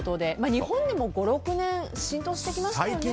日本でも５、６年浸透してきましたよね。